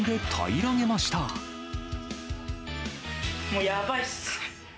もうやばいです。